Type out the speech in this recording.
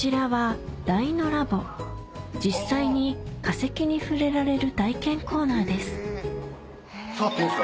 実際に化石に触れられる体験コーナーです触っていいんすか？